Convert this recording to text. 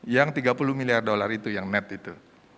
yang tiga puluh miliar dolar itu yang net itu